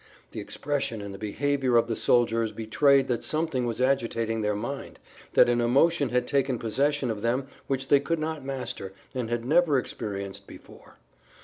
The expression and the behavior of the soldiers betrayed that something was agitating their mind, that an emotion had taken possession of them which they could not master and had never experienced before.